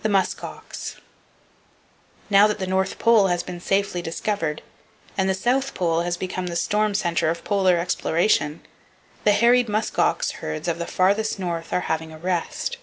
The Musk Ox. —Now that the north pole has been safely discovered, and the south pole has become the storm center of polar exploration, the harried musk ox herds of the farthest north are having a rest.